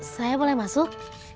saya boleh masuk